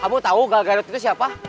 kamu tahu gal garut itu siapa